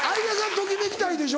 ときめきたいでしょ？